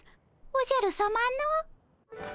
おじゃるさまの？